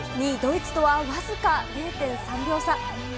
２位ドイツとは僅か０．３秒差。